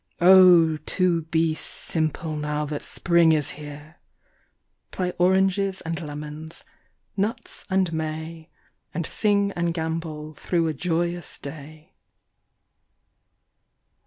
Oh ! to be simple now that Spring is here! Play Oranges and Lemons, Nuts and May, And sing and gambol through a joyous day.